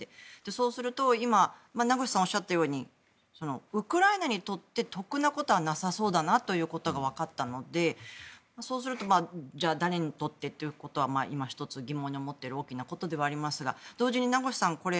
そうすると、今名越さんがおっしゃったようにウクライナにとって得なことはなさそうだなということが分かったのでそうすると、じゃあ誰にとってということは今ひとつ疑問に思っている大きなことでもありますが同時に、名越さん